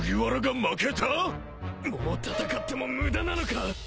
もう戦っても無駄なのか！？